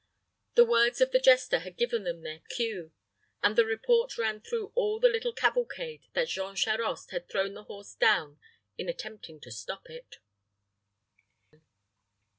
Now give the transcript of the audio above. The words of the jester had given them their cue, and the report ran through all the little cavalcade that Jean Charost had thrown the horse down in attempting to stop it.